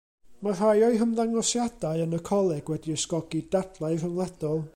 Mae rhai o'i hymddangosiadau yn y coleg wedi ysgogi dadlau rhyngwladol.